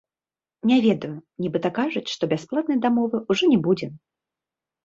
Не ведаю, нібыта кажуць, што бясплатнай дамовы ўжо не будзе.